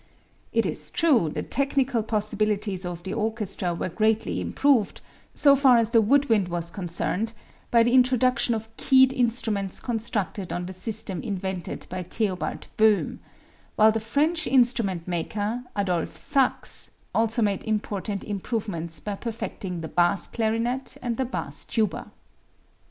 It is true, the technical possibilities of the orchestra were greatly improved, so far as the woodwind was concerned, by the introduction of keyed instruments constructed on the system invented by Theobald Böhm; while the French instrument maker, Adolphe Sax, also made important improvements by perfecting the bass clarinet and the bass tuba.